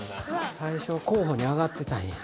最初の候補に挙がってたんや。